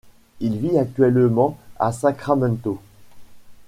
Il vit actuellement à Sacramento.